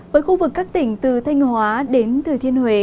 với khu vực các tỉnh từ thanh hóa đến thừa thiên huế